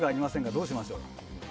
どうしましょう。